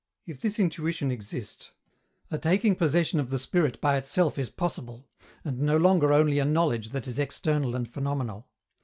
If this intuition exist, a taking possession of the spirit by itself is possible, and no longer only a knowledge that is external and phenomenal.